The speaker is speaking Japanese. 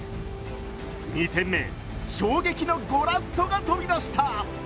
２戦目、衝撃のゴラッソが飛び出した。